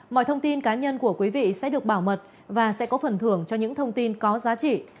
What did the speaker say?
mọi thông tin cá nhân của quý vị sẽ được bảo mật và sẽ có phần thưởng cho những thông tin có giá trị